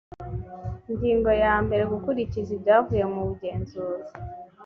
ingingo ya mbere gukurikiza ibyavuye mu bugenzuzi